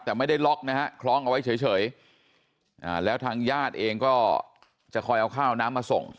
แต่ไม่ได้ล็อกนะฮะคล้องเอาไว้เฉยแล้วทางญาติเองก็จะคอยเอาข้าวน้ำมาส่ง